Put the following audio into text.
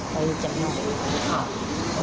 ไปจากนู้น